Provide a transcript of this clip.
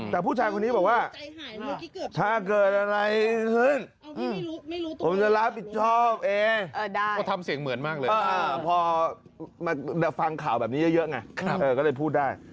แต่ผู้ชายคนนี้บอกว่าถ้าเกิดอะไรขึ้นผมจะรับผิดชอบเองพอฟังข่าวแบบนี้เยอะไงก็ได้พูดได้